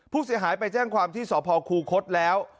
ผู้เสียหายไปแจ้งความที่สพคูคศแล้ว